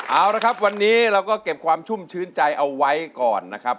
เอาละครับวันนี้เราก็เก็บความชุ่มชื้นใจเอาไว้ก่อนนะครับ